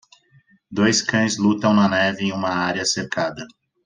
Dois cães lutam na neve em uma área cercada.